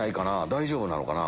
大丈夫なのかな？